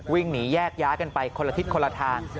วิ่งหนีแยกย้ายกันไปคนละทิศคนละทาง